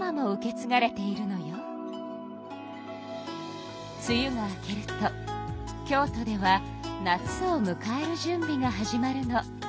つゆが明けると京都では夏をむかえるじゅんびが始まるの。